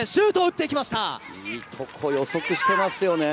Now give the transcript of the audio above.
いい所を予測していますよね。